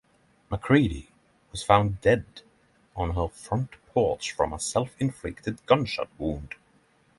McCready was found dead on her front porch from a self-inflicted gunshot wound.